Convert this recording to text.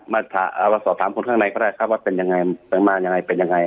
มาสอบถามคนข้างในก็ได้ครับว่าเป็นยังไงไปมายังไงเป็นยังไง